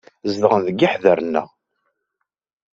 Zedɣen deg yiḥder-nneɣ.